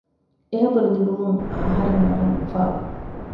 އެ ޚަބަރު ލިބުމުން އަހަރެން ވަރަށް އުފާވި